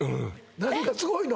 何がすごいの？